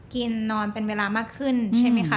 กินนอนเป็นเวลามากขึ้นใช่ไหมคะ